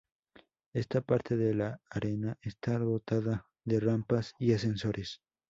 Esta parte de la arena está dotada de rampas y ascensores.